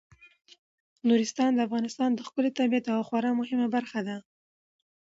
نورستان د افغانستان د ښکلي طبیعت یوه خورا مهمه برخه ده.